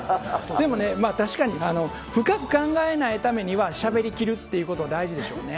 でもね、確かに深く考えないためにはしゃべりきるということは大事でしょうね。